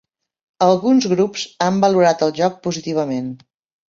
Alguns grups han valorat el joc positivament.